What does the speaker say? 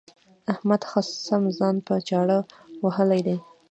احمد ښه سم ځان په چاړه وهلی دی.